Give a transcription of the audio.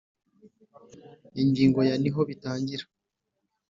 ingingo ya niho bitangira